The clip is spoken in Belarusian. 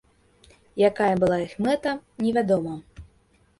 Якая была іх мэта, невядома.